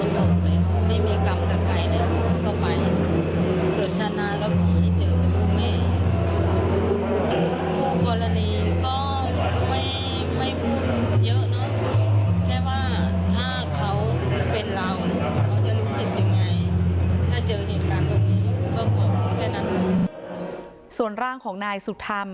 ส่วนร่างของนายสุธรรม